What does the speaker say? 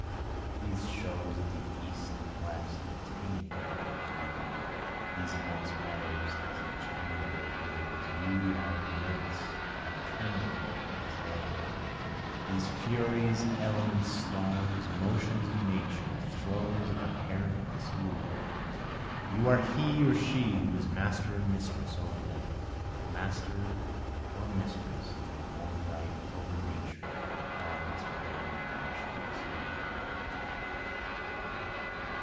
These shows of the East and West are tame compared to you, These immense meadows, these interminable rivers, you are immense and interminable as they, These furies, elements, storms, motions of Nature, throes of apparent dissolution, you are he or she who is master or mistress over them, Master or mistress in your own right over Nature, elements, pain, passion, dissolution.